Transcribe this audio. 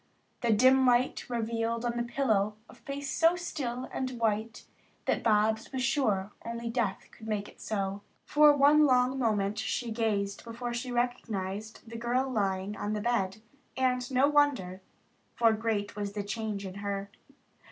The dim light revealed on the pillow a face so still and white that Bobs was sure only death could make it so. For one long moment she gazed before she recognized the girl lying on the bed, and no wonder, for great was the change in her.